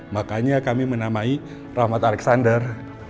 makanya kami menamai rahmat alexander